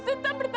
kanda di mana